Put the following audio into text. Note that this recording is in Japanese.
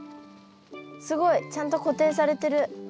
すごいちゃんと固定されてる。